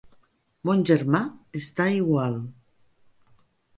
Mon germà està igual.